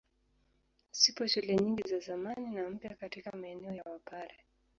Zipo shule nyingi za zamani na mpya katika maeneo ya Wapare.